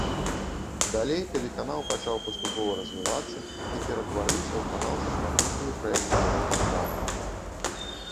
Далей тэлеканал пачаў паступова развівацца і ператварыўся ў канал са шматлікімі праектамі розных жанраў.